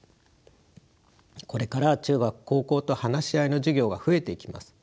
これから中学高校と話し合いの授業が増えていきます。